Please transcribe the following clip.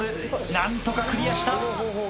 何とかクリアした！